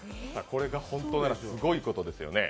これが本当ならすごいことですよね。